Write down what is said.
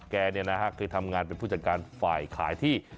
แกเนี่ยนะฮะคือทำงานเป็นผู้จัดการฝ่ายขายที่